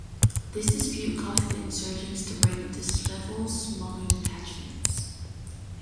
This dispute caused the insurgents to break into several smaller detachments.